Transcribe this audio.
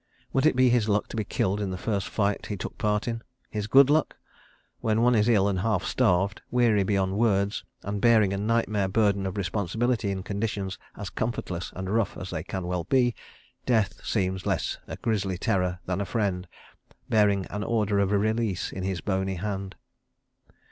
... Would it be his luck to be killed in the first fight that he took part in? His good luck? When one is ill and half starved, weary beyond words, and bearing a nightmare burden of responsibility in conditions as comfortless and rough as they can well be, Death seems less a grisly terror than a friend, bearing an Order of Release in his bony hand.